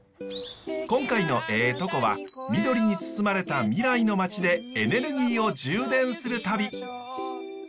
今回の「えぇトコ」は緑に包まれた未来の町でエネルギーを充電する旅！